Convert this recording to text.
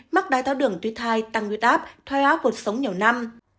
mắc đai táo đường tuy thai tăng nguyệt áp thoai áo cuộc sống nhiều năm